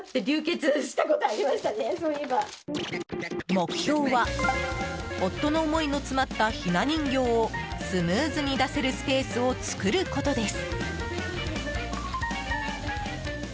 目標は夫の思いの詰まったひな人形をスムーズに出せるスペースを作ることです。